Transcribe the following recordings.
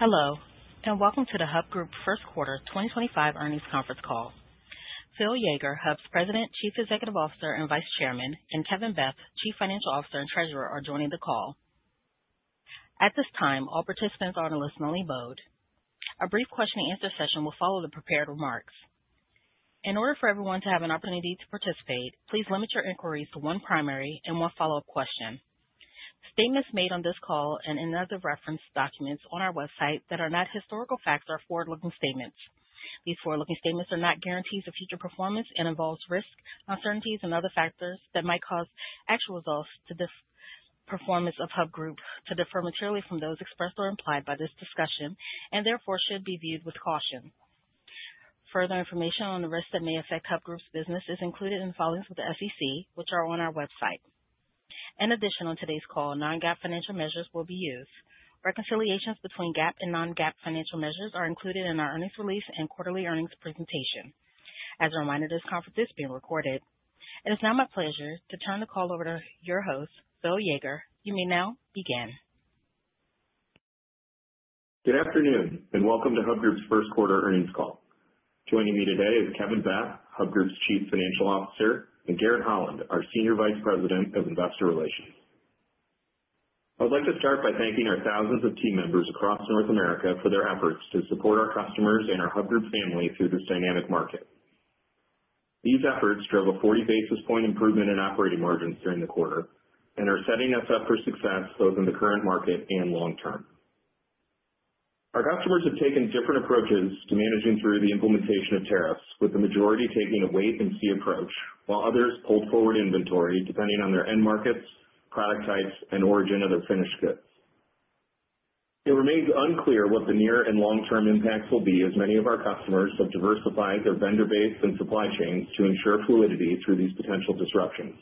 Hello, and welcome to the Hub Group First Quarter 2025 earnings conference call. Phil Yeager, Hub's President, Chief Executive Officer, and Vice Chairman, and Kevin Beth, Chief Financial Officer and Treasurer, are joining the call. At this time, all participants are on a listen-only mode. A brief question-and-answer session will follow the prepared remarks. In order for everyone to have an opportunity to participate, please limit your inquiries to one primary and one follow-up question. Statements made on this call and any other reference documents on our website that are not historical facts are forward-looking statements. These forward-looking statements are not guarantees of future performance and involve risk, uncertainties, and other factors that might cause actual results to this performance of Hub Group to differ materially from those expressed or implied by this discussion, and therefore should be viewed with caution. Further information on the risks that may affect Hub Group's business is included in the filings with the SEC, which are on our website. In addition, on today's call, non-GAAP financial measures will be used. Reconciliations between GAAP and non-GAAP financial measures are included in our earnings release and quarterly earnings presentation. As a reminder, this conference is being recorded. It is now my pleasure to turn the call over to your host, Phil Yeager. You may now begin. Good afternoon, and welcome to Hub Group's first quarter earnings call. Joining me today is Kevin Beth, Hub Group's Chief Financial Officer, and Garrett Holland, our Senior Vice President of Investor Relations. I would like to start by thanking our thousands of team members across North America for their efforts to support our customers and our Hub Group family through this dynamic market. These efforts drove a 40 basis point improvement in operating margins during the quarter and are setting us up for success both in the current market and long term. Our customers have taken different approaches to managing through the implementation of tariffs, with the majority taking a wait-and-see approach, while others pulled forward inventory depending on their end markets, product types, and origin of their finished goods. It remains unclear what the near and long-term impacts will be, as many of our customers have diversified their vendor base and supply chains to ensure fluidity through these potential disruptions.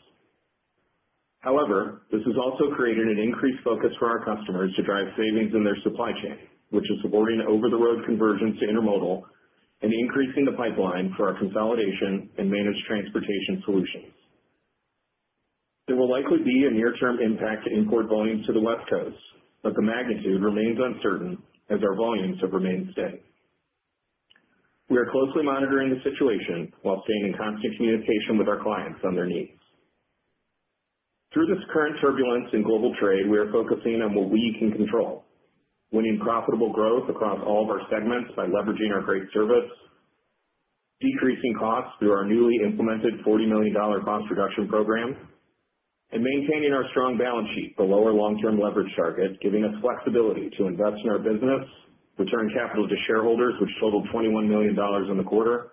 However, this has also created an increased focus for our customers to drive savings in their supply chain, which is supporting over-the-road conversions to intermodal and increasing the pipeline for our consolidation and managed transportation solutions. There will likely be a near-term impact to import volumes to the West Coast, but the magnitude remains uncertain as our volumes have remained steady. We are closely monitoring the situation while staying in constant communication with our clients on their needs. Through this current turbulence in global trade, we are focusing on what we can control, winning profitable growth across all of our segments by leveraging our great service, decreasing costs through our newly implemented $40 million cost reduction program, and maintaining our strong balance sheet for lower long-term leverage targets, giving us flexibility to invest in our business, return capital to shareholders, which totaled $21 million in the quarter,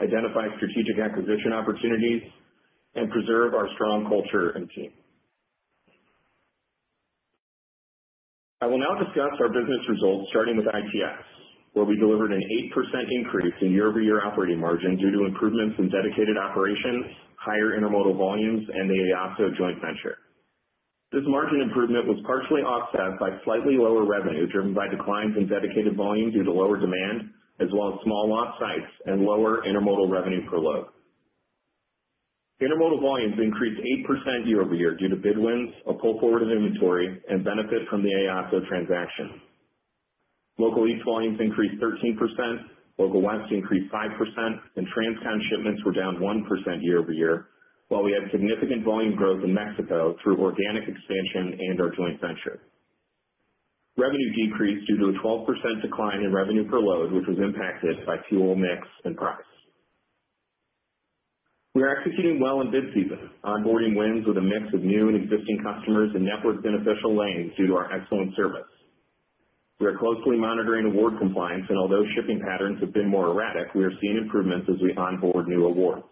identify strategic acquisition opportunities, and preserve our strong culture and team. I will now discuss our business results, starting with ITX, where we delivered an 8% increase in year-over-year operating margin due to improvements in dedicated operations, higher intermodal volumes, and the EASO joint venture. This margin improvement was partially offset by slightly lower revenue driven by declines in dedicated volume due to lower demand, as well as small loss sites and lower intermodal revenue per load. Intermodal volumes increased 8% year-over-year due to bid wins, a pull forward of inventory, and benefit from the EASO transaction. Local East volumes increased 13%, local West increased 5%, and transcount shipments were down 1% year-over-year, while we had significant volume growth in Mexico through organic expansion and our joint venture. Revenue decreased due to a 12% decline in revenue per load, which was impacted by fuel mix and price. We are executing well in bid season, onboarding wins with a mix of new and existing customers, and network beneficial lanes due to our excellent service. We are closely monitoring award compliance, and although shipping patterns have been more erratic, we are seeing improvements as we onboard new awards.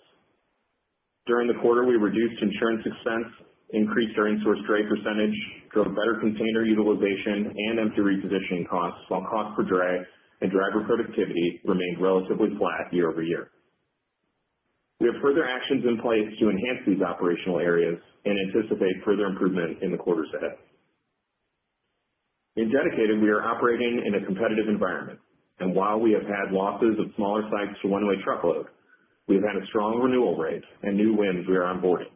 During the quarter, we reduced insurance expense, increased our in-source dray percentage, drove better container utilization, and emptied repositioning costs, while cost per dray and driver productivity remained relatively flat year-over-year. We have further actions in place to enhance these operational areas and anticipate further improvement in the quarters ahead. In dedicated, we are operating in a competitive environment, and while we have had losses of smaller sites to one-way truckload, we have had a strong renewal rate and new wins we are onboarding.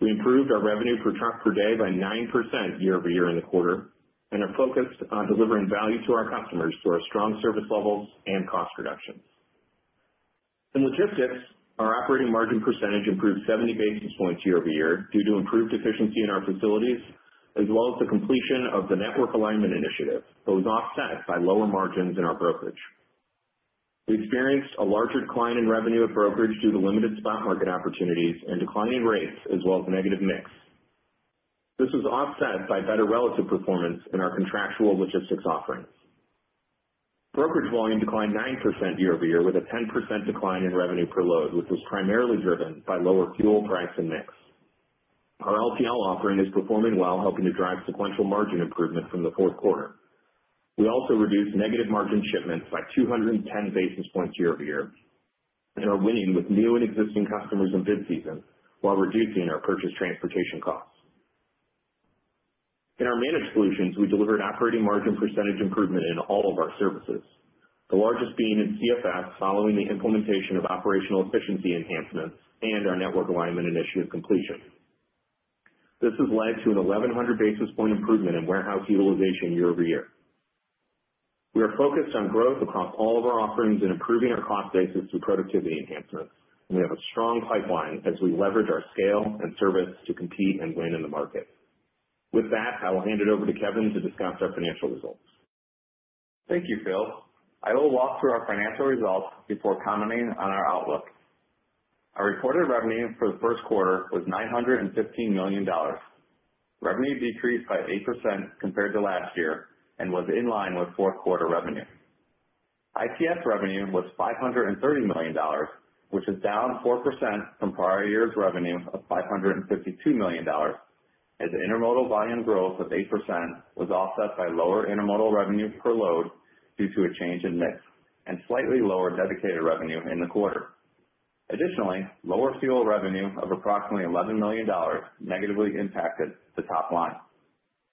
We improved our revenue per truck per day by 9% year-over-year in the quarter and are focused on delivering value to our customers through our strong service levels and cost reductions. In logistics, our operating margin percentage improved 70 basis points year-over-year due to improved efficiency in our facilities, as well as the completion of the network alignment initiative, but was offset by lower margins in our brokerage. We experienced a larger decline in revenue at brokerage due to limited spot market opportunities and declining rates, as well as negative mix. This was offset by better relative performance in our contractual logistics offerings. Brokerage volume declined 9% year-over-year with a 10% decline in revenue per load, which was primarily driven by lower fuel price and mix. Our LTL offering is performing well, helping to drive sequential margin improvement from the fourth quarter. We also reduced negative margin shipments by 210 basis points year-over-year and are winning with new and existing customers in bid season while reducing our purchased transportation costs. In our managed solutions, we delivered operating margin percentage improvement in all of our services, the largest being in CFS, following the implementation of operational efficiency enhancements and our network alignment initiative completion. This has led to an 1,100 basis point improvement in warehouse utilization year-over-year. We are focused on growth across all of our offerings and improving our cost basis through productivity enhancements, and we have a strong pipeline as we leverage our scale and service to compete and win in the market. With that, I will hand it over to Kevin to discuss our financial results. Thank you, Phil. I will walk through our financial results before commenting on our outlook. Our reported revenue for the first quarter was $915 million. Revenue decreased by 8% compared to last year and was in line with fourth quarter revenue. ITX revenue was $530 million, which is down 4% from prior year's revenue of $552 million, as intermodal volume growth of 8% was offset by lower intermodal revenue per load due to a change in mix and slightly lower dedicated revenue in the quarter. Additionally, lower fuel revenue of approximately $11 million negatively impacted the top line.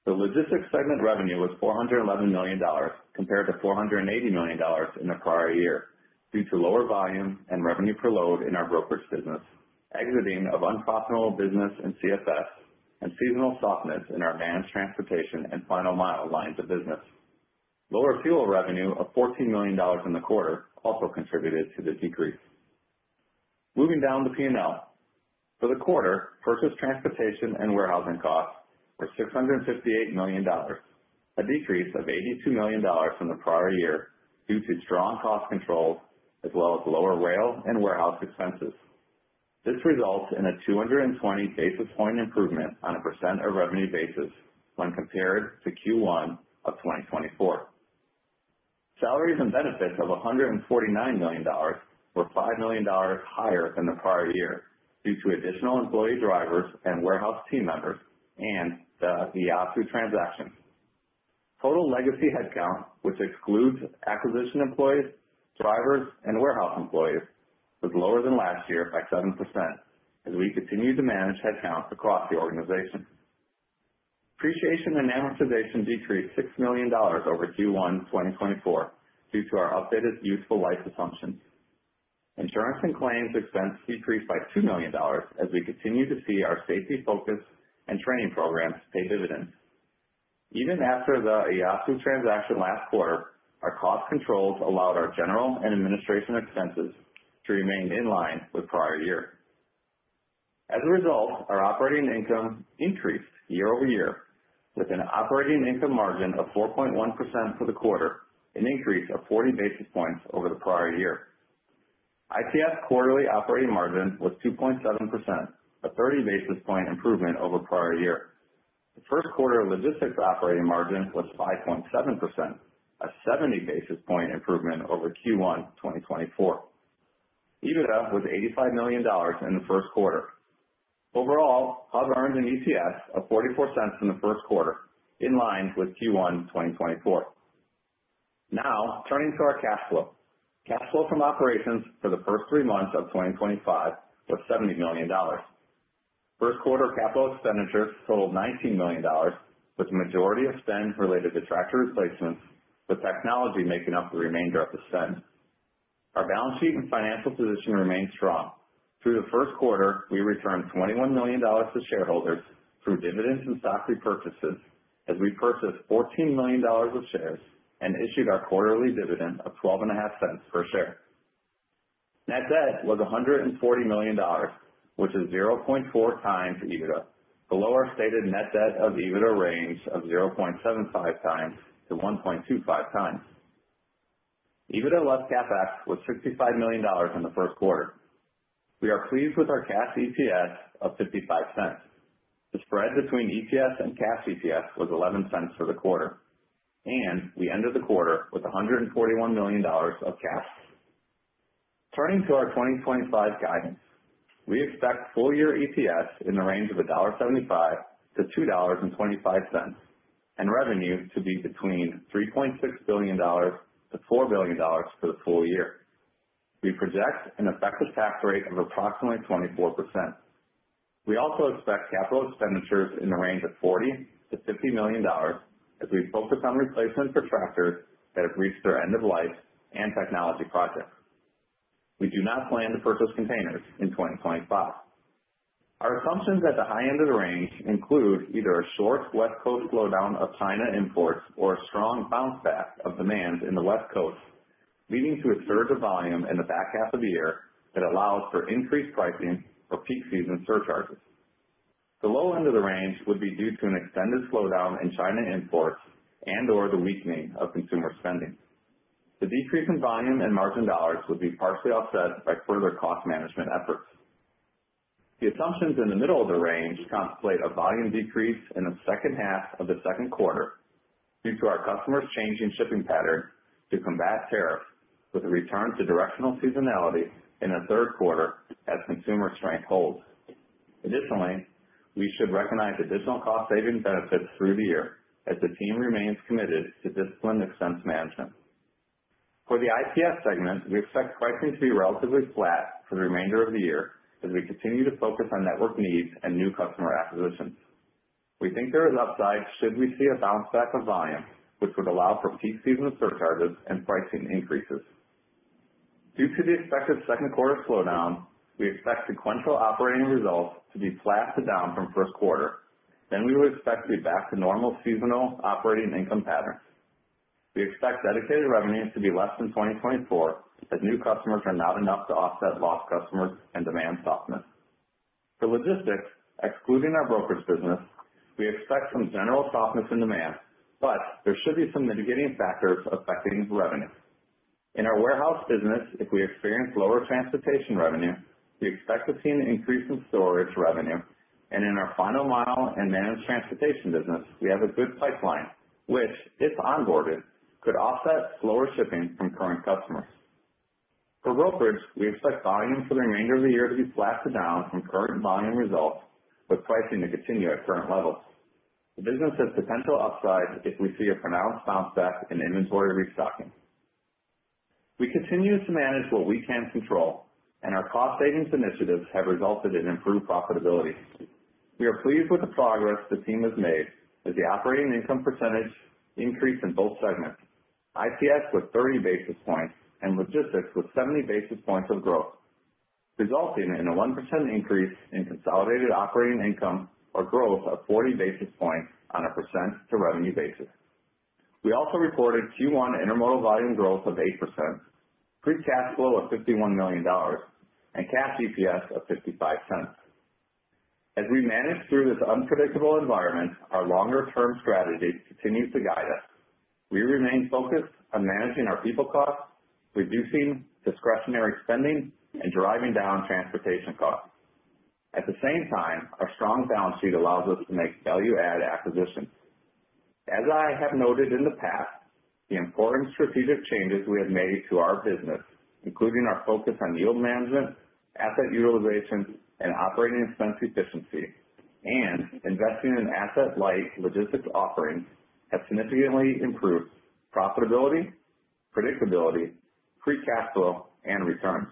The logistics segment revenue was $411 million compared to $480 million in the prior year due to lower volume and revenue per load in our brokerage business, exiting of unprofitable business in CFS, and seasonal softness in our managed transportation and final mile lines of business. Lower fuel revenue of $14 million in the quarter also contributed to the decrease. Moving down the P&L, for the quarter, purchase transportation and warehousing costs were $658 million, a decrease of $82 million from the prior year due to strong cost controls as well as lower rail and warehouse expenses. This results in a 220 basis point improvement on a % of revenue basis when compared to Q1 of 2024. Salaries and benefits of $149 million were $5 million higher than the prior year due to additional employee drivers and warehouse team members and the EASO transactions. Total legacy headcount, which excludes acquisition employees, drivers, and warehouse employees, was lower than last year by 7% as we continue to manage headcount across the organization. Depreciation and amortization decreased $6 million over Q1 2024 due to our updated useful life assumptions. Insurance and claims expense decreased by $2 million as we continue to see our safety focus and training programs pay dividends. Even after the EASO transaction last quarter, our cost controls allowed our general and administration expenses to remain in line with prior year. As a result, our operating income increased year-over-year with an operating income margin of 4.1% for the quarter, an increase of 40 basis points over the prior year. ITX quarterly operating margin was 2.7%, a 30 basis point improvement over prior year. The first quarter logistics operating margin was 5.7%, a 70 basis point improvement over Q1 2024. EBITDA was $85 million in the first quarter. Overall, Hub earned an EPS of $0.44 in the first quarter, in line with Q1 2024. Now, turning to our cash flow. Cash flow from operations for the first three months of 2025 was $70 million. First quarter capital expenditures totaled $19 million, with the majority of spend related to tractor replacements, with technology making up the remainder of the spend. Our balance sheet and financial position remained strong. Through the first quarter, we returned $21 million to shareholders through dividends and stock repurchases as we purchased $14 million of shares and issued our quarterly dividend of $12.50 per share. Net debt was $140 million, which is 0.4 times EBITDA, below our stated net debt to EBITDA range of 0.75 times to 1.25 times. EBITDA less CapEx was $65 million in the first quarter. We are pleased with our cash EPS of $0.55. The spread between EPS and cash EPS was $0.11 for the quarter, and we ended the quarter with $141 million of cash. Turning to our 2025 guidance, we expect full-year EPS in the range of $1.75-$2.25 and revenue to be between $3.6 billion-$4 billion for the full year. We project an effective tax rate of approximately 24%. We also expect capital expenditures in the range of $40-$50 million as we focus on replacement for tractors that have reached their end of life and technology projects. We do not plan to purchase containers in 2025. Our assumptions at the high end of the range include either a short West Coast slowdown of China imports or a strong bounce back of demand in the West Coast, leading to a surge of volume in the back half of the year that allows for increased pricing for peak season surcharges. The low end of the range would be due to an extended slowdown in China imports and/or the weakening of consumer spending. The decrease in volume and margin dollars would be partially offset by further cost management efforts. The assumptions in the middle of the range contemplate a volume decrease in the second half of the second quarter due to our customers changing shipping patterns to combat tariffs, with a return to directional seasonality in the third quarter as consumer strength holds. Additionally, we should recognize additional cost-saving benefits through the year as the team remains committed to discipline expense management. For the ITX segment, we expect pricing to be relatively flat for the remainder of the year as we continue to focus on network needs and new customer acquisitions. We think there is upside should we see a bounce back of volume, which would allow for peak season surcharges and pricing increases. Due to the expected second quarter slowdown, we expect sequential operating results to be flat to down from first quarter. We would expect to be back to normal seasonal operating income patterns. We expect dedicated revenue to be less than 2024 as new customers are not enough to offset lost customers and demand softness. For logistics, excluding our brokerage business, we expect some general softness in demand, but there should be some mitigating factors affecting revenue. In our warehouse business, if we experience lower transportation revenue, we expect to see an increase in storage revenue, and in our final mile and managed transportation business, we have a good pipeline, which, if onboarded, could offset slower shipping from current customers. For brokerage, we expect volume for the remainder of the year to be flat to down from current volume results, with pricing to continue at current levels. The business has potential upside if we see a pronounced bounce back in inventory restocking. We continue to manage what we can control, and our cost-savings initiatives have resulted in improved profitability. We are pleased with the progress the team has made as the operating income percentage increased in both segments: ITX with 30 basis points and logistics with 70 basis points of growth, resulting in a 1% increase in consolidated operating income or growth of 40 basis points on a percent-to-revenue basis. We also reported Q1 intermodal volume growth of 8%, pre-cash flow of $51 million, and cash EPS of $0.55. As we manage through this unpredictable environment, our longer-term strategy continues to guide us. We remain focused on managing our people costs, reducing discretionary spending, and driving down transportation costs. At the same time, our strong balance sheet allows us to make value-add acquisitions. As I have noted in the past, the important strategic changes we have made to our business, including our focus on yield management, asset utilization, and operating expense efficiency, and investing in asset-light logistics offerings, have significantly improved profitability, predictability, pre-cash flow, and returns.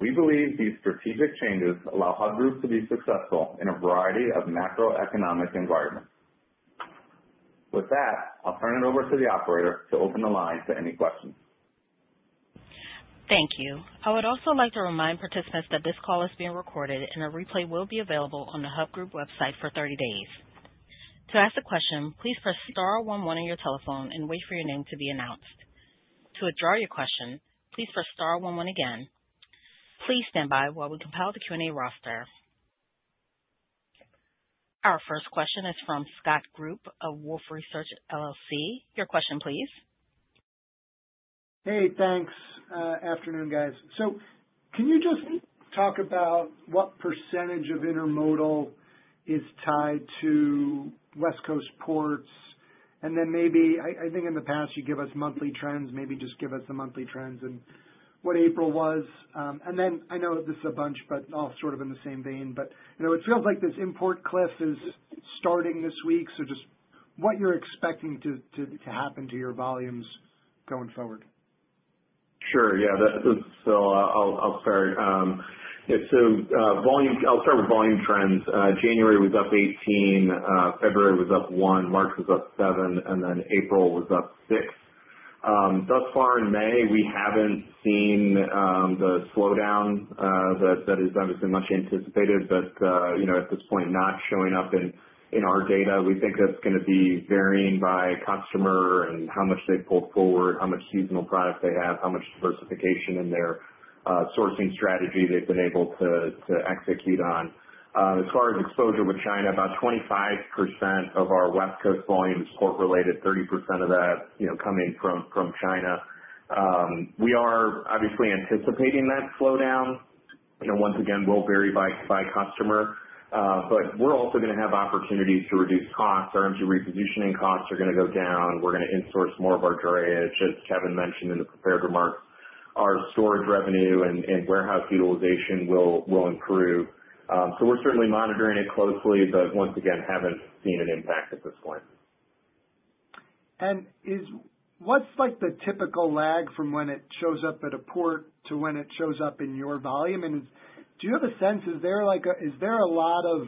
We believe these strategic changes allow Hub Group to be successful in a variety of macroeconomic environments. With that, I'll turn it over to the operator to open the line to any questions. Thank you. I would also like to remind participants that this call is being recorded and a replay will be available on the Hub Group website for 30 days. To ask a question, please press star one one on your telephone and wait for your name to be announced. To withdraw your question, please press star one one again. Please stand by while we compile the Q&A roster. Our first question is from Scott Group of Wolfe Research LLC. Your question, please. Hey, thanks. Afternoon, guys. Can you just talk about what % of intermodal is tied to West Coast ports? I think in the past, you give us monthly trends, maybe just give us the monthly trends and what April was. I know this is a bunch, but all sort of in the same vein. It feels like this import cliff is starting this week. Just what you're expecting to happen to your volumes going forward. Sure. Yeah. I'll start. I'll start with volume trends. January was up 18, February was up 1, March was up 7, and then April was up 6. Thus far in May, we haven't seen the slowdown that is obviously much anticipated, but at this point, not showing up in our data. We think that's going to be varying by customer and how much they've pulled forward, how much seasonal product they have, how much diversification in their sourcing strategy they've been able to execute on. As far as exposure with China, about 25% of our West Coast volume is port-related, 30% of that coming from China. We are obviously anticipating that slowdown. Once again, will vary by customer, but we're also going to have opportunities to reduce costs. Our energy repositioning costs are going to go down. We're going to insource more of our drayage, as Kevin mentioned in the prepared remarks. Our storage revenue and warehouse utilization will improve. We're certainly monitoring it closely, but once again, haven't seen an impact at this point. What's the typical lag from when it shows up at a port to when it shows up in your volume? Do you have a sense? Is there a lot of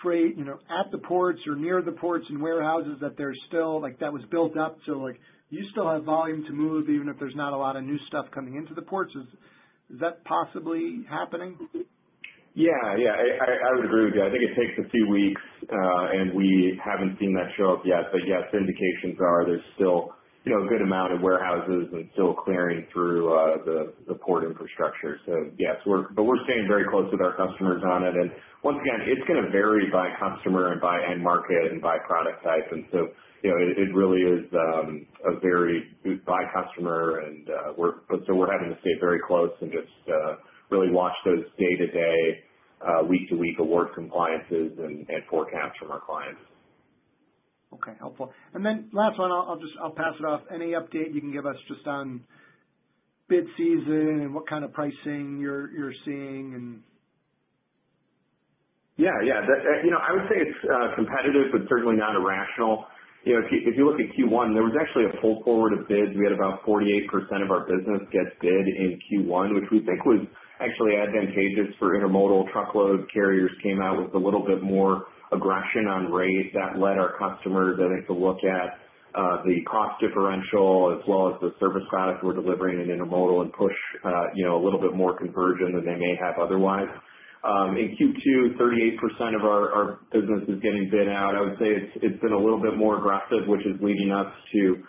freight at the ports or near the ports and warehouses that was still built up too? Do you still have volume to move even if there's not a lot of new stuff coming into the ports? Is that possibly happening? Yeah. Yeah. I would agree with you. I think it takes a few weeks, and we haven't seen that show up yet. Yes, indications are there's still a good amount of warehouses and still clearing through the port infrastructure. Yes, we're staying very close with our customers on it. Once again, it's going to vary by customer and by end market and by product type. It really is a vary by customer. We're having to stay very close and just really watch those day-to-day, week-to-week award compliances and forecasts from our clients. Okay. Helpful. Then last one, I'll pass it off. Any update you can give us just on bid season and what kind of pricing you're seeing? Yeah. Yeah. I would say it's competitive, but certainly not irrational. If you look at Q1, there was actually a pull forward of bids. We had about 48% of our business get bid in Q1, which we think was actually advantageous for intermodal. Truckload carriers came out with a little bit more aggression on rate. That led our customers, I think, to look at the cost differential as well as the service product we're delivering in intermodal and push a little bit more conversion than they may have otherwise. In Q2, 38% of our business is getting bid out. I would say it's been a little bit more aggressive, which is leading us to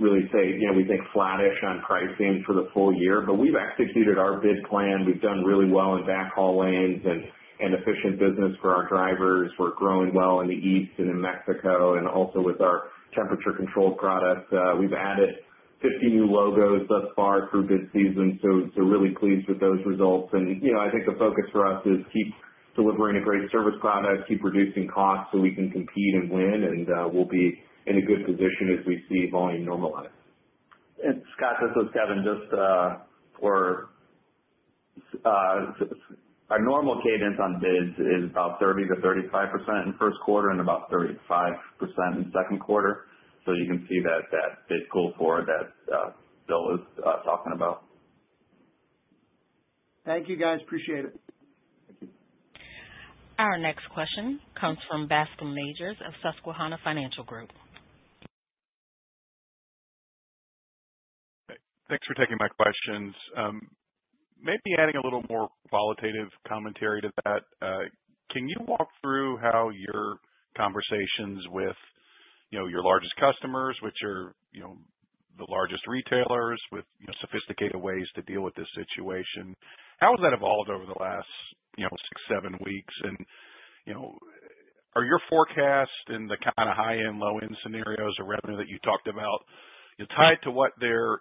really say we think flattish on pricing for the full year. We've executed our bid plan. We've done really well in backhaul lanes and efficient business for our drivers. We're growing well in the East and in Mexico, and also with our temperature-controlled products. We've added 50 new logos thus far through bid season. Really pleased with those results. I think the focus for us is keep delivering a great service product, keep reducing costs so we can compete and win, and we'll be in a good position as we see volume normalize. Scott, this is Kevin. Just for our normal cadence on bids is about 30%-35% in first quarter and about 35% in second quarter. You can see that bid pull forward that Phil was talking about. Thank you, guys. Appreciate it. Thank you. Our next question comes from Bascome Majors of Susquehanna Financial Group. Thanks for taking my questions. Maybe adding a little more qualitative commentary to that. Can you walk through how your conversations with your largest customers, which are the largest retailers, with sophisticated ways to deal with this situation, how has that evolved over the last six, seven weeks? Are your forecasts in the kind of high-end, low-end scenarios or revenue that you talked about tied to what they're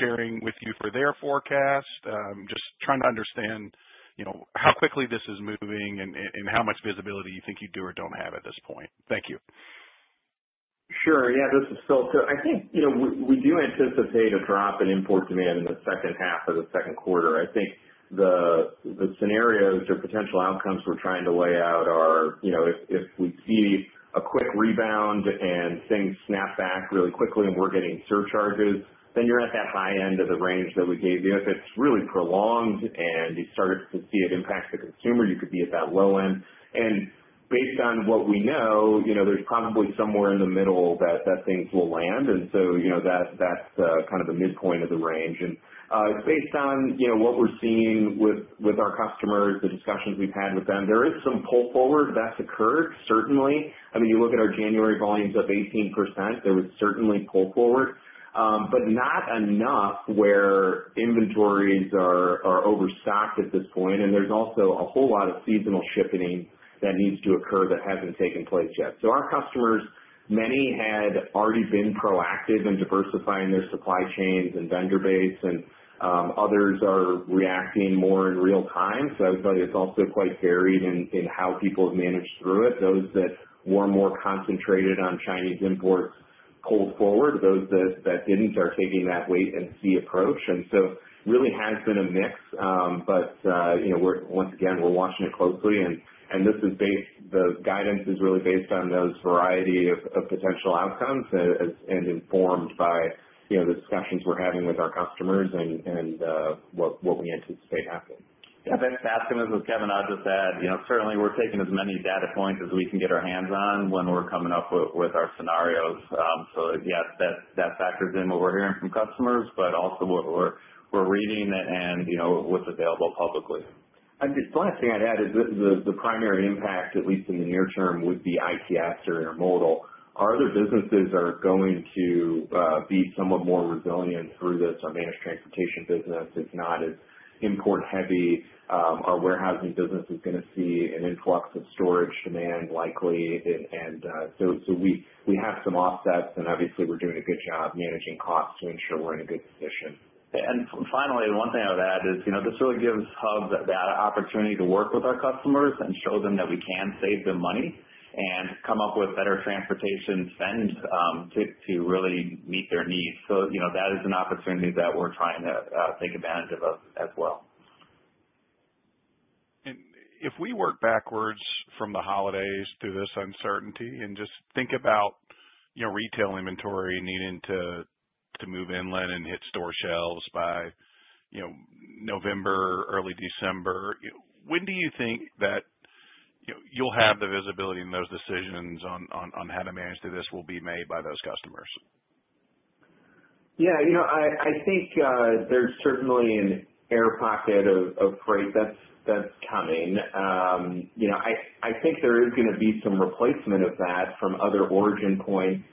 sharing with you for their forecast? Just trying to understand how quickly this is moving and how much visibility you think you do or don't have at this point. Thank you. Sure. Yeah. This is Phil. I think we do anticipate a drop in import demand in the second half of the second quarter. I think the scenarios or potential outcomes we're trying to lay out are if we see a quick rebound and things snap back really quickly, and we're getting surcharges, then you're at that high end of the range that we gave you. If it's really prolonged and you started to see it impact the consumer, you could be at that low end. Based on what we know, there's probably somewhere in the middle that things will land. That's kind of the midpoint of the range. Based on what we're seeing with our customers, the discussions we've had with them, there is some pull forward that's occurred, certainly. I mean, you look at our January volumes of 18%, there was certainly pull forward, but not enough where inventories are overstacked at this point. There is also a whole lot of seasonal shipping that needs to occur that has not taken place yet. Our customers, many had already been proactive in diversifying their supply chains and vendor base, and others are reacting more in real time. I would tell you it is also quite varied in how people have managed through it. Those that were more concentrated on Chinese imports pulled forward. Those that did not are taking that wait-and-see approach. It really has been a mix. Once again, we are watching it closely. This guidance is really based on those variety of potential outcomes and informed by the discussions we are having with our customers and what we anticipate happening. Yeah. Bascome, this is Kevin. I'll just add, certainly we're taking as many data points as we can get our hands on when we're coming up with our scenarios. Yes, that factors in what we're hearing from customers, but also what we're reading and what's available publicly. The last thing I'd add is the primary impact, at least in the near term, would be ITS or intermodal. Our other businesses are going to be somewhat more resilient through this. Our managed transportation business is not as import-heavy. Our warehousing business is going to see an influx of storage demand likely. We have some offsets, and obviously we're doing a good job managing costs to ensure we're in a good position. Finally, one thing I would add is this really gives Hub that opportunity to work with our customers and show them that we can save them money and come up with better transportation spend to really meet their needs. That is an opportunity that we're trying to take advantage of as well. If we work backwards from the holidays through this uncertainty and just think about retail inventory needing to move inland and hit store shelves by November, early December, when do you think that you'll have the visibility in those decisions on how to manage that this will be made by those customers? Yeah. I think there is certainly an air pocket of freight that is coming. I think there is going to be some replacement of that from other origin points.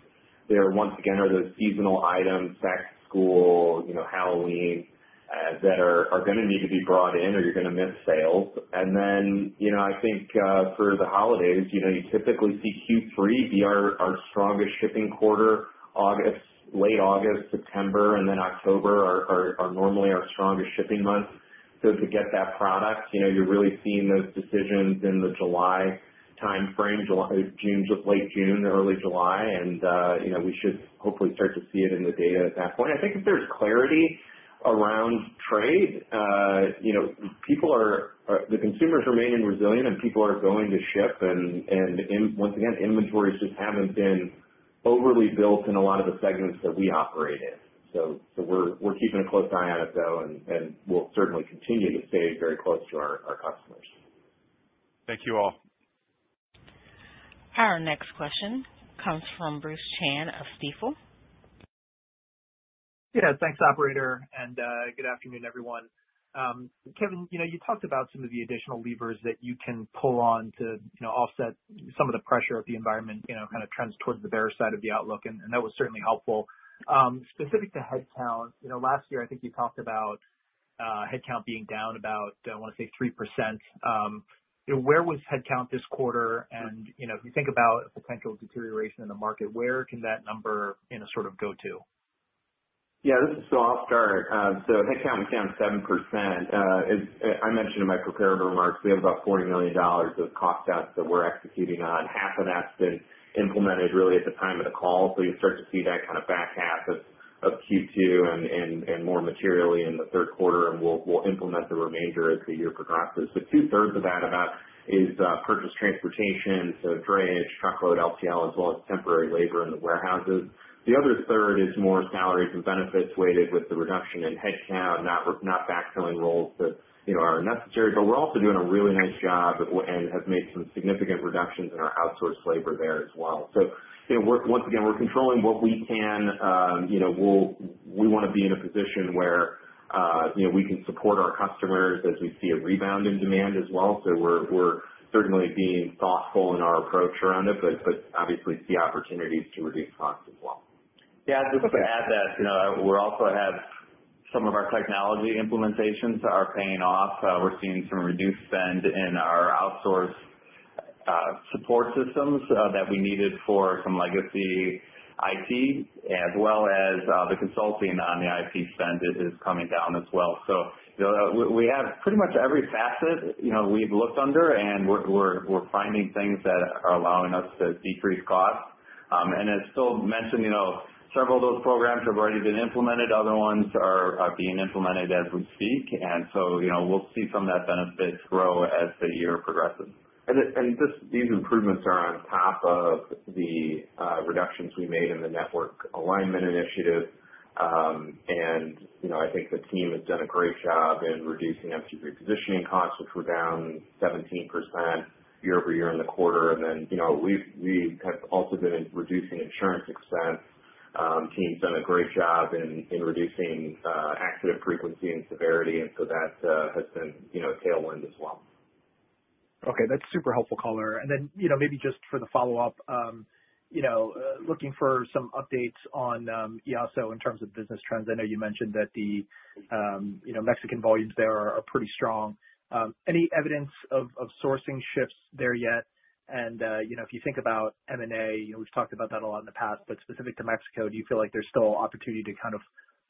There, once again, are those seasonal items, back to school, Halloween, that are going to need to be brought in, or you are going to miss sales. I think for the holidays, you typically see Q3 be our strongest shipping quarter, late August, September, and then October are normally our strongest shipping months. To get that product, you are really seeing those decisions in the July time frame, late June, early July. We should hopefully start to see it in the data at that point. I think if there is clarity around trade, the consumers remain resilient, and people are going to ship. Once again, inventories just have not been overly built in a lot of the segments that we operate in. We're keeping a close eye on it, though, and we'll certainly continue to stay very close to our customers. Thank you all. Our next question comes from Bruce Chan of Stifel. Yeah. Thanks, operator. And good afternoon, everyone. Kevin, you talked about some of the additional levers that you can pull on to offset some of the pressure if the environment kind of trends towards the better side of the outlook. That was certainly helpful. Specific to headcount, last year, I think you talked about headcount being down about, I want to say, 3%. Where was headcount this quarter? If you think about a potential deterioration in the market, where can that number sort of go to? Yeah. This is Phil. I'll start. So headcount was down 7%. I mentioned in my prepared remarks, we have about $40 million of cost stats that we're executing on. Half of that's been implemented, really, at the time of the call. You start to see that kind of back half of Q2 and more materially in the third quarter, and we'll implement the remainder as the year progresses. Two-thirds of that is about purchase transportation, so drayage, truckload, LTL, as well as temporary labor in the warehouses. The other third is more salaries and benefits, weighted with the reduction in headcount, not backfilling roles that are necessary. We're also doing a really nice job and have made some significant reductions in our outsourced labor there as well. Once again, we're controlling what we can. We want to be in a position where we can support our customers as we see a rebound in demand as well. We are certainly being thoughtful in our approach around it, but obviously see opportunities to reduce costs as well. Yeah. Just to add that we also have some of our technology implementations that are paying off. We're seeing some reduced spend in our outsource support systems that we needed for some legacy IT, as well as the consulting on the IT spend is coming down as well. We have pretty much every facet we've looked under, and we're finding things that are allowing us to decrease costs. As Phil mentioned, several of those programs have already been implemented. Other ones are being implemented as we speak. We'll see some of that benefit grow as the year progresses. These improvements are on top of the reductions we made in the network alignment initiative. I think the team has done a great job in reducing empty repositioning costs, which were down 17% year-over-year in the quarter. We have also been reducing insurance expense. The team's done a great job in reducing accident frequency and severity. That has been a tailwind as well. Okay. That's super helpful, caller. Maybe just for the follow-up, looking for some updates on EASO in terms of business trends. I know you mentioned that the Mexican volumes there are pretty strong. Any evidence of sourcing shifts there yet? If you think about M&A, we've talked about that a lot in the past, but specific to Mexico, do you feel like there's still opportunity to kind of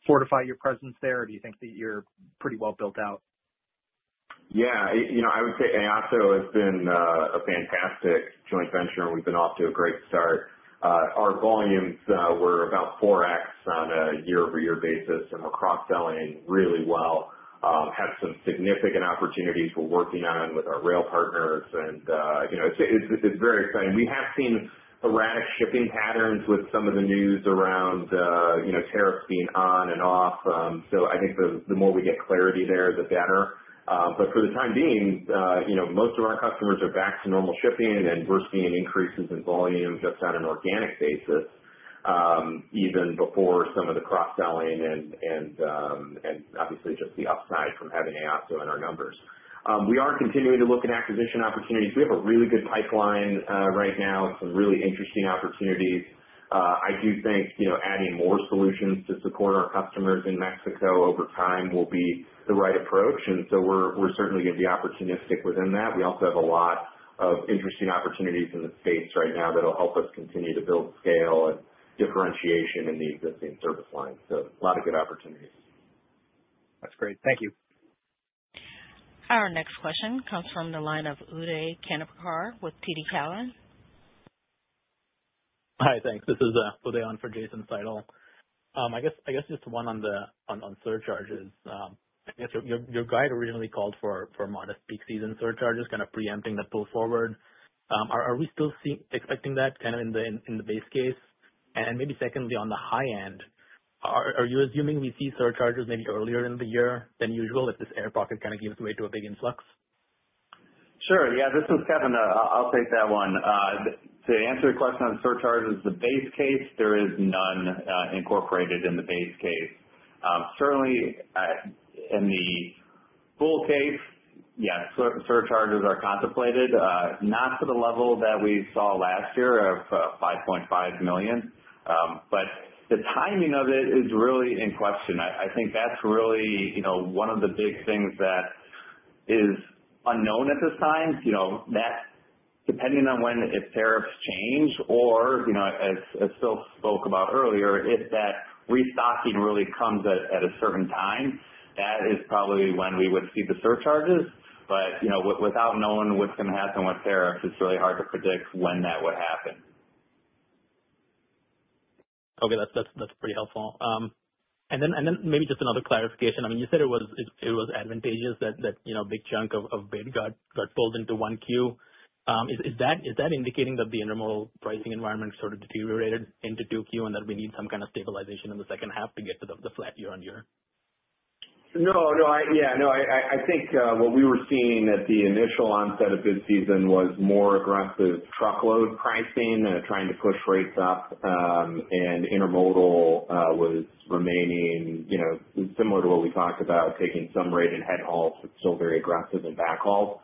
fortify your presence there? Or do you think that you're pretty well built out? Yeah. I would say EASO has been a fantastic joint venture, and we've been off to a great start. Our volumes were about 4x on a year-over-year basis, and we're cross-selling really well. Had some significant opportunities we're working on with our rail partners. It is very exciting. We have seen erratic shipping patterns with some of the news around tariffs being on and off. I think the more we get clarity there, the better. For the time being, most of our customers are back to normal shipping, and we're seeing increases in volume just on an organic basis, even before some of the cross-selling and obviously just the upside from having EASO in our numbers. We are continuing to look at acquisition opportunities. We have a really good pipeline right now, some really interesting opportunities. I do think adding more solutions to support our customers in Mexico over time will be the right approach. We are certainly going to be opportunistic within that. We also have a lot of interesting opportunities in the space right now that will help us continue to build scale and differentiation in the existing service line. A lot of good opportunities. That's great. Thank you. Our next question comes from the line of Uday Khanapurkar with TD Cowen. Hi, thanks. This is Uday on for Jason Seidl. I guess just one on surcharges. I guess your guide originally called for modest peak season surcharges, kind of preempting the pull forward. Are we still expecting that kind of in the base case? Maybe secondly, on the high end, are you assuming we see surcharges maybe earlier in the year than usual if this air pocket kind of gives way to a big influx? Sure. Yeah. This is Kevin. I'll take that one. To answer the question on surcharges, the base case, there is none incorporated in the base case. Certainly, in the full case, yes, surcharges are contemplated, not to the level that we saw last year of $5.5 million. The timing of it is really in question. I think that's really one of the big things that is unknown at this time. Depending on when, if tariffs change, or, as Phil spoke about earlier, if that restocking really comes at a certain time, that is probably when we would see the surcharges. Without knowing what's going to happen with tariffs, it's really hard to predict when that would happen. Okay. That's pretty helpful. Maybe just another clarification. I mean, you said it was advantageous that a big chunk of bid got pulled into 1Q. Is that indicating that the intermodal pricing environment sort of deteriorated into 2Q and that we need some kind of stabilization in the second half to get to the flat year-on-year? No. No. Yeah. No. I think what we were seeing at the initial onset of this season was more aggressive truckload pricing and trying to push rates up. And intermodal was remaining similar to what we talked about, taking some rate in head hauls, but still very aggressive in back hauls.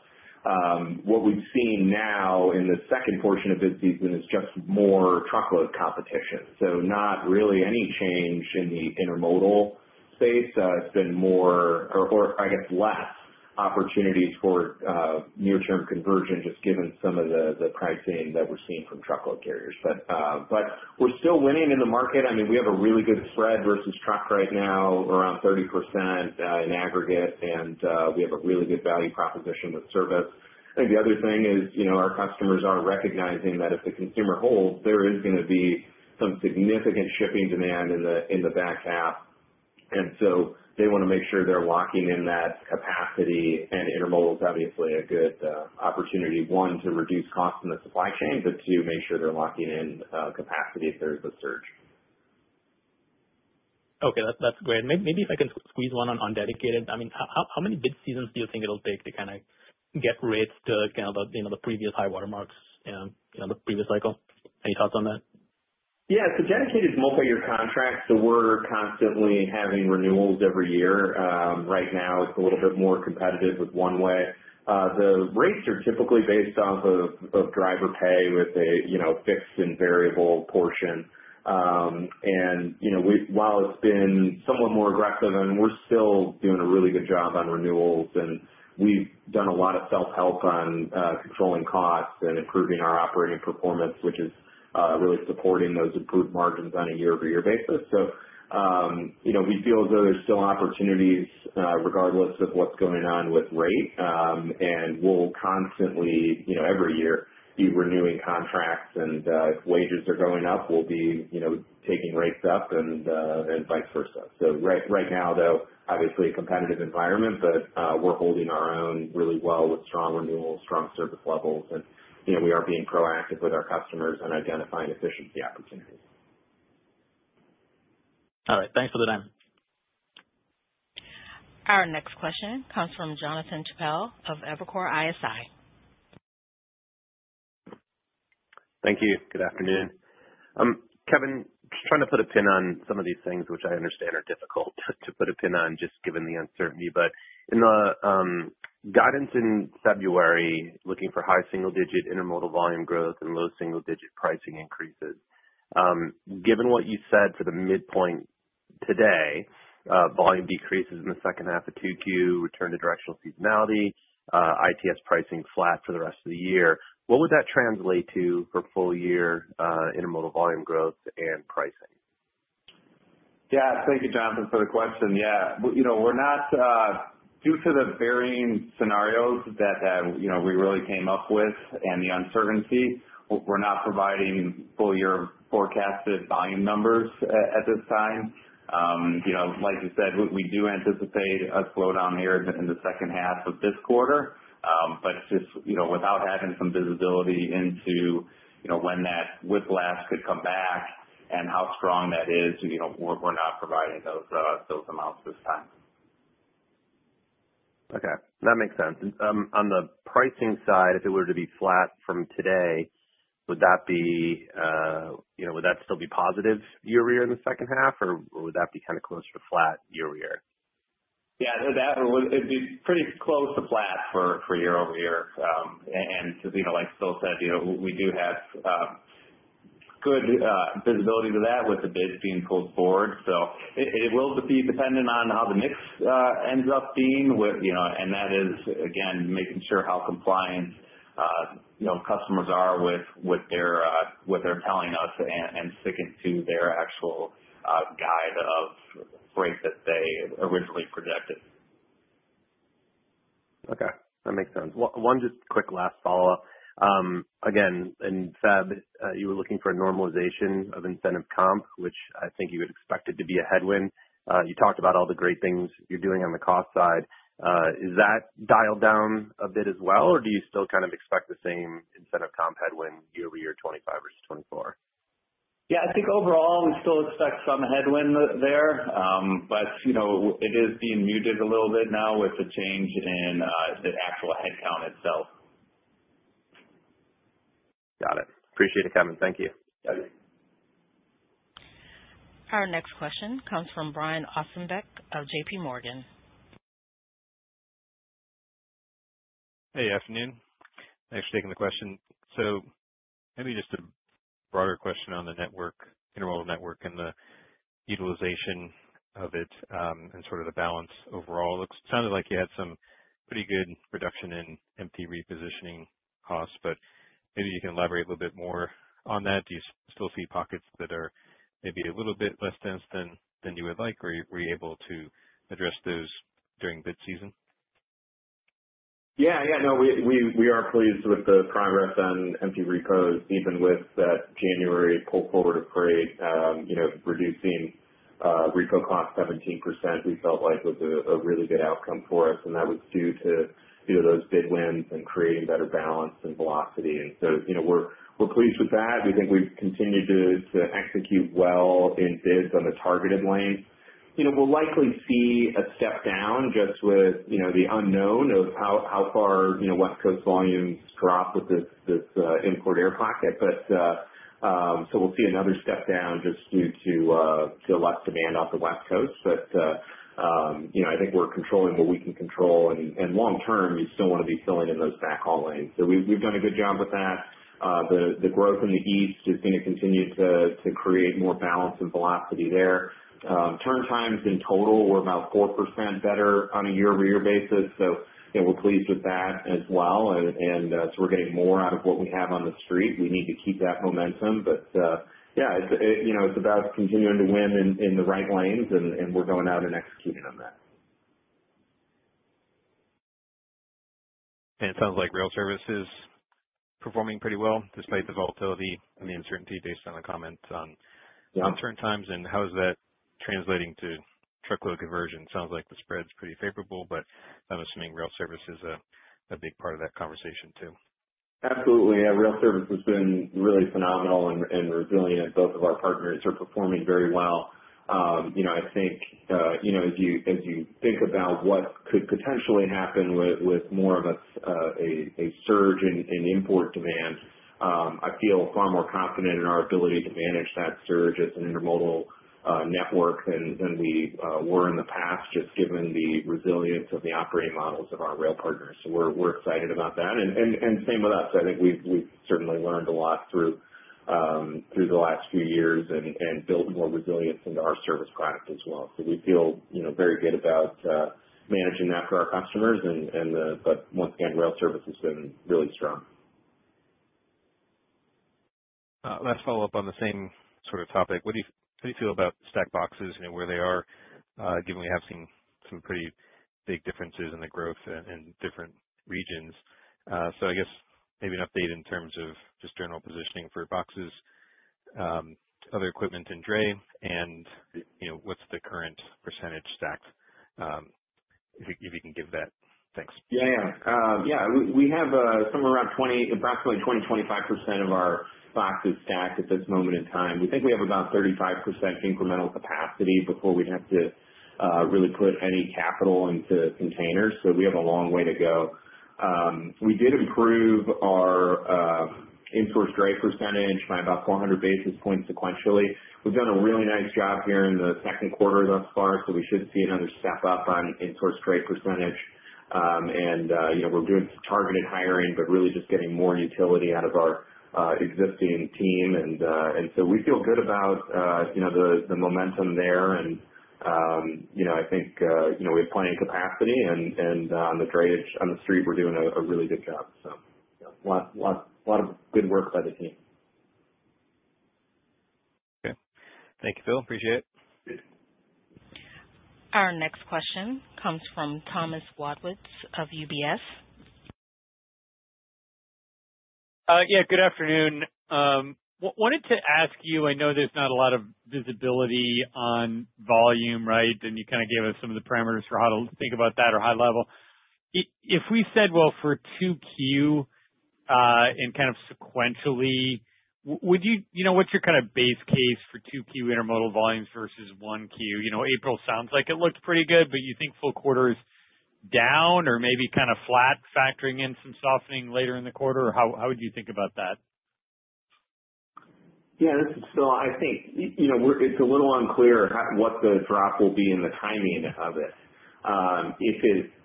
What we've seen now in the second portion of this season is just more truckload competition. Not really any change in the intermodal space. It's been more, or I guess less, opportunities for near-term conversion, just given some of the pricing that we're seeing from truckload carriers. But we're still winning in the market. I mean, we have a really good spread versus truck right now, around 30% in aggregate. And we have a really good value proposition with service. I think the other thing is our customers are recognizing that if the consumer holds, there is going to be some significant shipping demand in the back half. They want to make sure they're locking in that capacity. Intermodal is obviously a good opportunity, one, to reduce costs in the supply chain, but two, make sure they're locking in capacity if there's a surge. Okay. That's great. Maybe if I can squeeze one on dedicated. I mean, how many bid seasons do you think it'll take to kind of get rates to kind of the previous high watermarks, the previous cycle? Any thoughts on that? Yeah. Dedicated is multi-year contracts. We are constantly having renewals every year. Right now, it is a little bit more competitive with one-way. The rates are typically based off of driver pay with a fixed and variable portion. While it has been somewhat more aggressive, we are still doing a really good job on renewals, and we have done a lot of self-help on controlling costs and improving our operating performance, which is really supporting those improved margins on a year-over-year basis. We feel as though there are still opportunities regardless of what is going on with rate. We will constantly, every year, be renewing contracts. If wages are going up, we will be taking rates up and vice versa. Right now, obviously a competitive environment, but we are holding our own really well with strong renewals, strong service levels. We are being proactive with our customers and identifying efficiency opportunities. All right. Thanks for the time. Our next question comes from Jonathan Chappell of Evercore ISI. Thank you. Good afternoon. Kevin, just trying to put a pin on some of these things, which I understand are difficult to put a pin on, just given the uncertainty. But in the guidance in February, looking for high single-digit intermodal volume growth and low single-digit pricing increases. Given what you said for the midpoint today, volume decreases in the second half of 2Q, return to directional seasonality, ITS pricing flat for the rest of the year. What would that translate to for full-year intermodal volume growth and pricing? Yeah. Thank you, Jonathan, for the question. Yeah. We're not, due to the varying scenarios that we really came up with and the uncertainty, we're not providing full-year forecasted volume numbers at this time. Like you said, we do anticipate a slowdown here in the second half of this quarter. Just without having some visibility into when that whiplash could come back and how strong that is, we're not providing those amounts this time. Okay. That makes sense. On the pricing side, if it were to be flat from today, would that still be positive year-over-year in the second half, or would that be kind of closer to flat year-over-year? Yeah. It'd be pretty close to flat for year-over-year. As Phil said, we do have good visibility to that with the bid being pulled forward. It will be dependent on how the mix ends up being. That is, again, making sure how compliant customers are with what they're telling us and sticking to their actual guide of rate that they originally projected. Okay. That makes sense. One just quick last follow-up. Again, in February, you were looking for a normalization of incentive comp, which I think you had expected to be a headwind. You talked about all the great things you're doing on the cost side. Is that dialed down a bit as well, or do you still kind of expect the same incentive comp headwind year-over-year 2025 versus 2024? Yeah. I think overall, we still expect some headwind there. It is being muted a little bit now with the change in the actual headcount itself. Got it. Appreciate it, Kevin. Thank you. Thank you. Our next question comes from Brian Ossenbeck of JPMorgan. Hey, afternoon. Thanks for taking the question. Maybe just a broader question on the intermodal network and the utilization of it, and sort of the balance overall. It sounded like you had some pretty good reduction in empty repositioning costs, but maybe you can elaborate a little bit more on that. Do you still see pockets that are maybe a little bit less dense than you would like, or were you able to address those during bid season? Yeah. Yeah. No, we are pleased with the progress on empty repos, even with that January pull forward of freight, reducing repo costs 17%. We felt like it was a really good outcome for us. That was due to those bid wins and creating better balance and velocity. We are pleased with that. We think we have continued to execute well in bids on the targeted lane. We will likely see a step down just with the unknown of how far West Coast volumes drop with this import air pocket. We will see another step down just due to less demand off the West Coast. I think we are controlling what we can control. Long term, you still want to be filling in those back haul lanes. We have done a good job with that. The growth in the East is going to continue to create more balance and velocity there. Turn times in total, we're about 4% better on a year-over-year basis. We're pleased with that as well. We're getting more out of what we have on the street. We need to keep that momentum. Yeah, it's about continuing to win in the right lanes, and we're going out and executing on that. It sounds like rail service is performing pretty well despite the volatility and the uncertainty, based on the comments on turn times. How is that translating to truckload conversion? It sounds like the spread is pretty favorable, but I'm assuming rail service is a big part of that conversation, too. Absolutely. Rail service has been really phenomenal and resilient. Both of our partners are performing very well. I think as you think about what could potentially happen with more of a surge in import demand, I feel far more confident in our ability to manage that surge as an intermodal network than we were in the past, just given the resilience of the operating models of our rail partners. We are excited about that. Same with us. I think we have certainly learned a lot through the last few years and built more resilience into our service product as well. We feel very good about managing that for our customers. Once again, rail service has been really strong. Last follow-up on the same sort of topic. What do you feel about stacked boxes and where they are, given we have seen some pretty big differences in the growth in different regions? I guess maybe an update in terms of just general positioning for boxes, other equipment in DRE, and what's the current percentage stacked? If you can give that. Thanks. Yeah. Yeah. We have somewhere around approximately 20-25% of our boxes stacked at this moment in time. We think we have about 35% incremental capacity before we'd have to really put any capital into containers. We have a long way to go. We did improve our in-source DRE percentage by about 400 basis points sequentially. We've done a really nice job here in the second quarter thus far. We should see another step up on in-source DRE percentage. We're doing targeted hiring, but really just getting more utility out of our existing team. We feel good about the momentum there. I think we have plenty of capacity. On the drayage, on the street, we're doing a really good job. A lot of good work by the team. Okay. Thank you, Phil. Appreciate it. Our next question comes from Thomas Wadewitz of UBS. Yeah. Good afternoon. Wanted to ask you, I know there's not a lot of visibility on volume, right? And you kind of gave us some of the parameters for how to think about that or high level. If we said, "Well, for 2Q and kind of sequentially," what's your kind of base case for 2Q intermodal volumes versus 1Q? April sounds like it looked pretty good, but you think full quarter is down or maybe kind of flat, factoring in some softening later in the quarter? How would you think about that? Yeah. So I think it's a little unclear what the drop will be in the timing of it.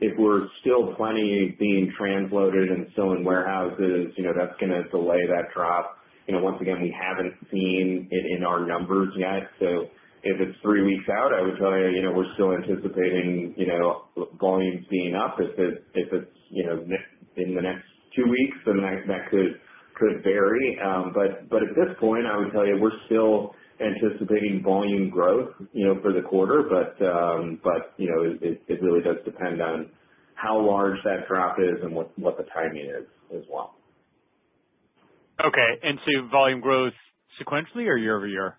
If we're still plenty being transloaded and still in warehouses, that's going to delay that drop. Once again, we haven't seen it in our numbers yet. If it's three weeks out, I would tell you we're still anticipating volumes being up. If it's in the next two weeks, then that could vary. At this point, I would tell you we're still anticipating volume growth for the quarter. It really does depend on how large that drop is and what the timing is as well. Okay. And so volume growth sequentially or year-over-year?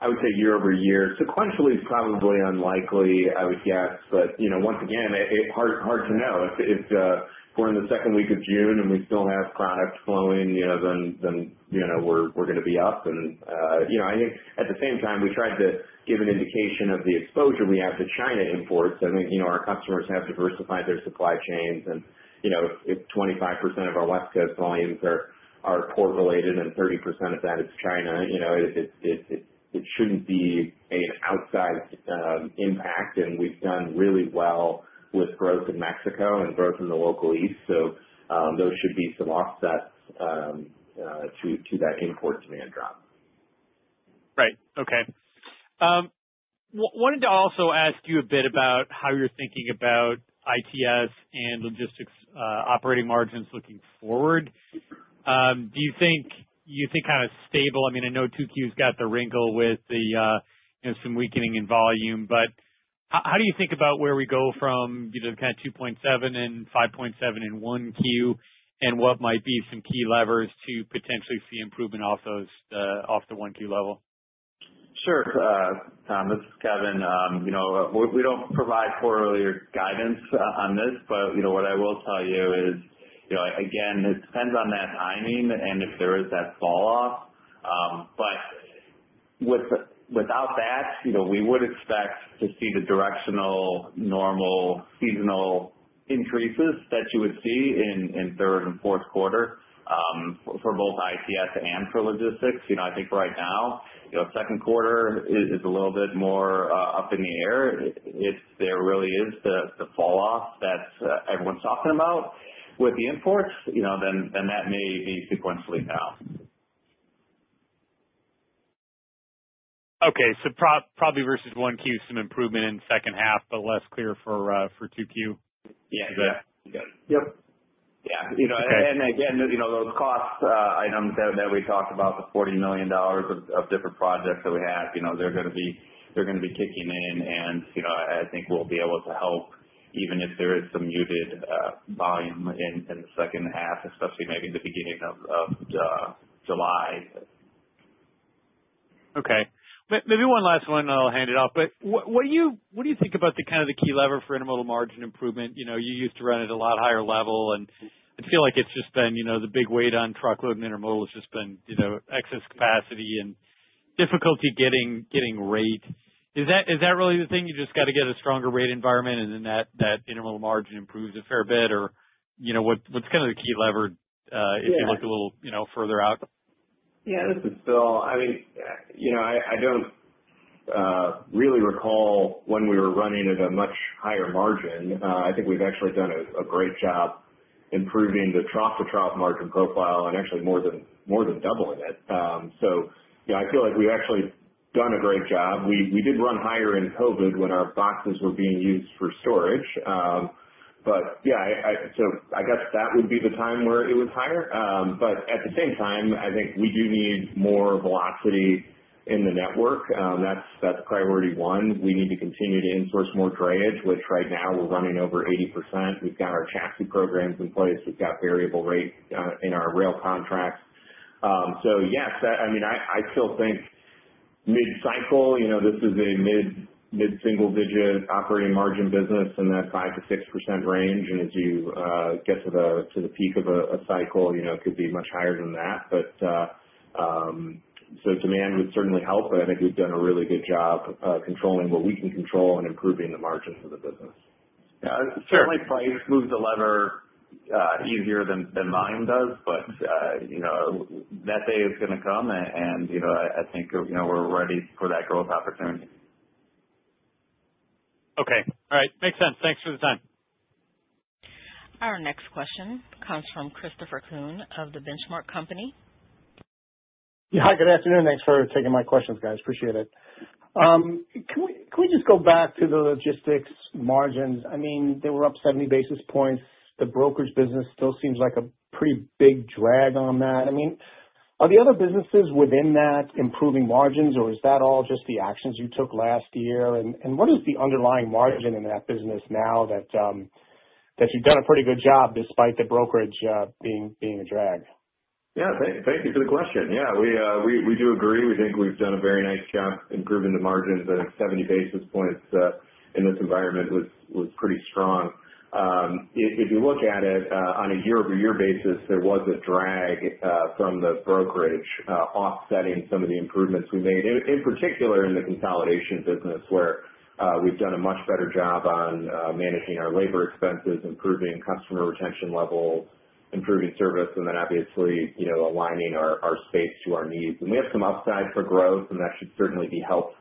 I would say year-over-year. Sequentially is probably unlikely, I would guess. Once again, hard to know. If we're in the second week of June and we still have product flowing, then we're going to be up. I think at the same time, we tried to give an indication of the exposure we have to China imports. I think our customers have diversified their supply chains. If 25% of our West Coast volumes are port-related and 30% of that is China, it shouldn't be an outsized impact. We have done really well with growth in Mexico and growth in the local East. Those should be some offsets to that import demand drop. Right. Okay. Wanted to also ask you a bit about how you're thinking about ITS and logistics operating margins looking forward. Do you think you think kind of stable? I mean, I know 2Q's got the wrinkle with some weakening in volume. How do you think about where we go from kind of 2.7 and 5.7 in 1Q, and what might be some key levers to potentially see improvement off the 1Q level? Sure. This is Kevin. We do not provide quarterly guidance on this. What I will tell you is, again, it depends on that timing and if there is that falloff. Without that, we would expect to see the directional normal seasonal increases that you would see in third and fourth quarter for both ITS and for logistics. I think right now, second quarter is a little bit more up in the air. If there really is the falloff that everyone's talking about with the imports, then that may be sequentially down. Okay. So probably versus 1Q, some improvement in second half, but less clear for 2Q? Yeah. Yep. Yeah. Again, those cost items that we talked about, the $40 million of different projects that we have, they're going to be kicking in. I think we'll be able to help even if there is some muted volume in the second half, especially maybe the beginning of July. Okay. Maybe one last one, and I'll hand it off. What do you think about kind of the key lever for intermodal margin improvement? You used to run at a lot higher level. I feel like it's just been the big weight on truckload and intermodal has just been excess capacity and difficulty getting rate. Is that really the thing? You just got to get a stronger rate environment, and then that intermodal margin improves a fair bit? What's kind of the key lever if you look a little further out? Yeah. This is Phil. I mean, I do not really recall when we were running at a much higher margin. I think we have actually done a great job improving the trough-to-trough margin profile and actually more than doubling it. So I feel like we have actually done a great job. We did run higher in COVID when our boxes were being used for storage. Yeah, I guess that would be the time where it was higher. At the same time, I think we do need more velocity in the network. That is priority one. We need to continue to insource more drayage, which right now we are running over 80%. We have got our chassis programs in place. We have got variable rate in our rail contracts. Yes, I mean, I still think mid-cycle, this is a mid-single-digit operating margin business in that 5%-6% range. As you get to the peak of a cycle, it could be much higher than that. Demand would certainly help. I think we've done a really good job controlling what we can control and improving the margins of the business. Yeah. Certainly, price moves a lever easier than volume does. That day is going to come. I think we're ready for that growth opportunity. Okay. All right. Makes sense. Thanks for the time. Our next question comes from Christopher Kuhn of the Benchmark Company. Yeah. Hi. Good afternoon. Thanks for taking my questions, guys. Appreciate it. Can we just go back to the logistics margins? I mean, they were up 70 basis points. The brokerage business still seems like a pretty big drag on that. I mean, are the other businesses within that improving margins, or is that all just the actions you took last year? What is the underlying margin in that business now that you've done a pretty good job despite the brokerage being a drag? Yeah. Thank you for the question. Yeah. We do agree. We think we've done a very nice job improving the margins. And 70 basis points in this environment was pretty strong. If you look at it on a year-over-year basis, there was a drag from the brokerage offsetting some of the improvements we made, in particular in the consolidation business, where we've done a much better job on managing our labor expenses, improving customer retention levels, improving service, and then obviously aligning our space to our needs. We have some upside for growth, and that should certainly be help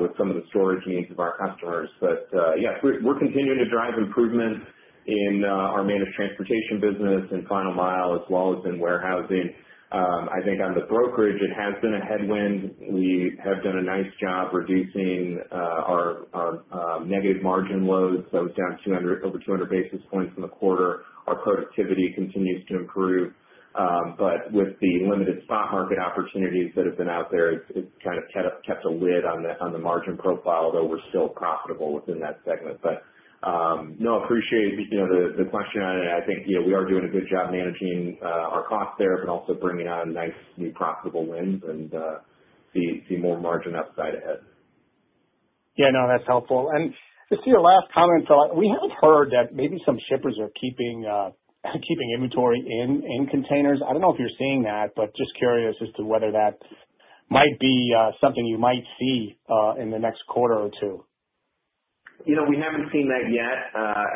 with some of the storage needs of our customers. Yes, we're continuing to drive improvements in our managed transportation business and final mile as well as in warehousing. I think on the brokerage, it has been a headwind. We have done a nice job reducing our negative margin loads. It is down over 200 basis points in the quarter. Our productivity continues to improve. But with the limited stock market opportunities that have been out there, it has kind of kept a lid on the margin profile, although we are still profitable within that segment. No, I appreciate the question. I think we are doing a good job managing our costs there, but also bringing on nice new profitable wins, and see more margin upside ahead. Yeah. No, that's helpful. Just a last comment. We haven't heard that maybe some shippers are keeping inventory in containers. I don't know if you're seeing that, but just curious as to whether that might be something you might see in the next quarter or two. We have not seen that yet. I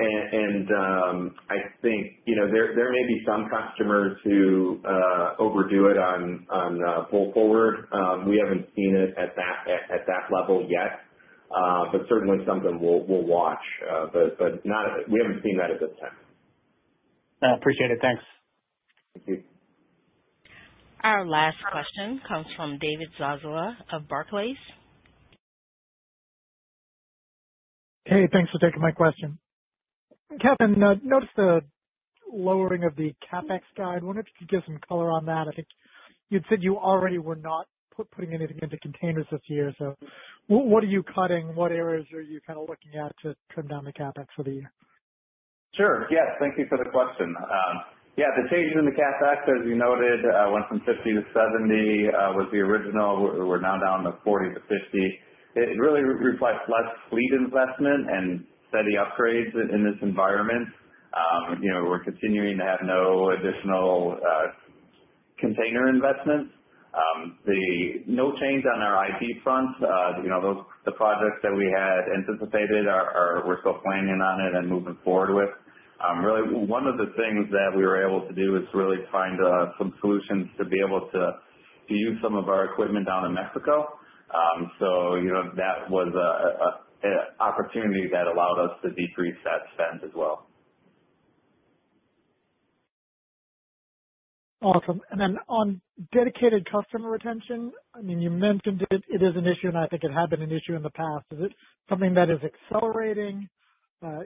think there may be some customers who overdo it on full forward. We have not seen it at that level yet, but certainly something we will watch. We have not seen that at this time. Appreciate it. Thanks. Thank you. Our last question comes from David Zazula of Barclays. Hey. Thanks for taking my question. Kevin noticed the lowering of the CapEx guide. I wonder if you could give some color on that. I think you'd said you already were not putting anything into containers this year. So what are you cutting? What areas are you kind of looking at to trim down the CapEx for the year? Sure. Yes. Thank you for the question. Yeah. The changes in the CapEx, as you noted, went from $50 million-$70 million was the original. We're now down to $40 million-$50 million. It really reflects less fleet investment and steady upgrades in this environment. We're continuing to have no additional container investments. No change on our IT front. The projects that we had anticipated, we're still planning on it and moving forward with. Really, one of the things that we were able to do is really find some solutions to be able to use some of our equipment down in Mexico. That was an opportunity that allowed us to decrease that spend as well. Awesome. On dedicated customer retention, I mean, you mentioned it is an issue, and I think it had been an issue in the past. Is it something that is accelerating?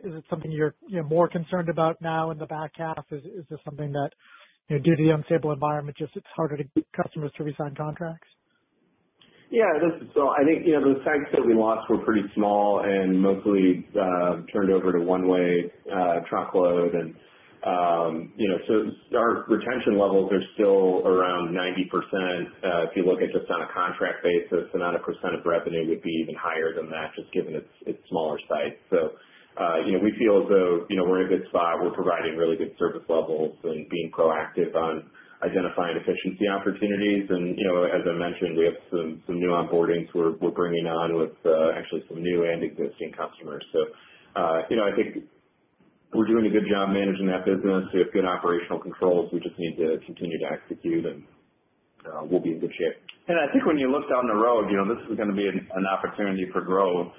Is it something you're more concerned about now in the back half? Is this something that, due to the unstable environment, it's harder to get customers to resign contracts? Yeah. This is Phil. I think the sites that we lost were pretty small and mostly turned over to one-way truckload. Our retention levels are still around 90%. If you look at just on a contract basis, another % of revenue would be even higher than that just given its smaller sites. We feel as though we're in a good spot. We're providing really good service levels and being proactive on identifying efficiency opportunities. As I mentioned, we have some new onboardings we're bringing on with actually some new and existing customers. I think we're doing a good job managing that business. We have good operational controls. We just need to continue to execute, and we'll be in good shape. I think when you look down the road, this is going to be an opportunity for growth.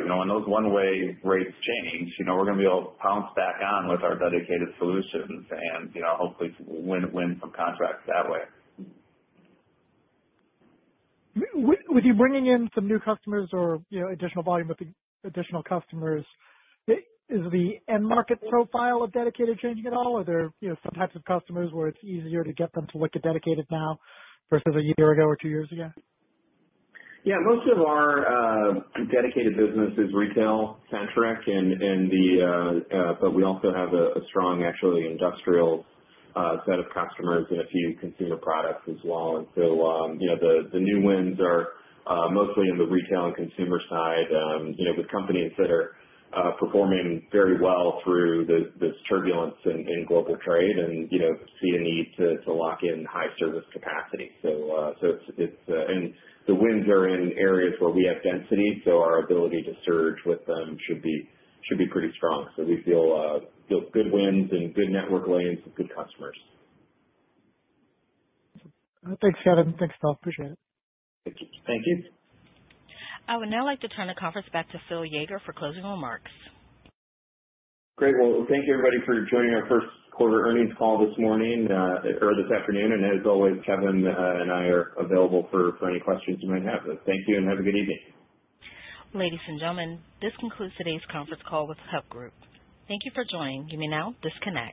When those one-way rates change, we're going to be able to pounce back on with our dedicated solutions and hopefully win some contracts that way. With you bringing in some new customers or additional volume with the additional customers, is the end market profile of dedicated changing at all? Are there some types of customers where it's easier to get them to look at dedicated now versus a year ago or two years ago? Yeah. Most of our dedicated business is retail-centric. We also have a strong, actually, industrial set of customers and a few consumer products as well. The new wins are mostly in the retail and consumer side, with companies that are performing very well through this turbulence in global trade and see a need to lock in high service capacity. The wins are in areas where we have density. Our ability to surge with them should be pretty strong. We feel good wins and good network lanes with good customers. Thanks, Kevin. Thanks, Phil. Appreciate it. Thank you. I would now like to turn the conference back to Phil Yeager for closing remarks. Great. Thank you, everybody, for joining our first quarter earnings call this morning or this afternoon. As always, Kevin and I are available for any questions you might have. Thank you, and have a good evening. Ladies and gentlemen, this concludes today's conference call with the Hub Group. Thank you for joining. You may now disconnect.